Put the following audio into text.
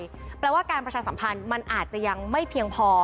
ถุงลมนิรภัยแปลว่าการประชาสัมพันธ์มันอาจจะยังไม่เพียงพอ